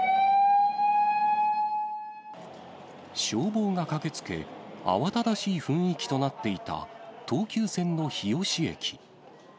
消防が駆けつけ、慌ただしい雰囲気となっていた、東急線の日吉駅。